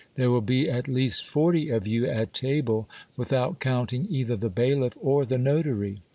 There will be at least forty of you at table, without counting either the bailiff or the notary.